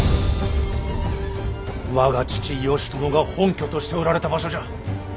我が父義朝が本拠としておられた場所じゃ。